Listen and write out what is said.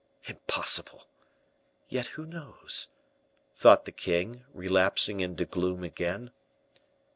Impossible. Yet who knows!" thought the king, relapsing into gloom again.